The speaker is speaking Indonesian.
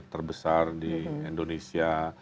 terbesar di indonesia